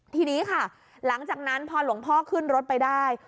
ทีนี้ค่ะหลังจากนั้นพอหลวงพ่อขึ้นรถไปได้